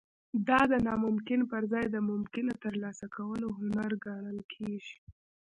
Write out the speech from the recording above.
دا د ناممکن پرځای د ممکنه ترلاسه کولو هنر ګڼل کیږي